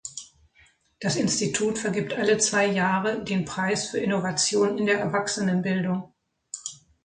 Das Institut vergibt alle zwei Jahre den Preis für Innovation in der Erwachsenenbildung.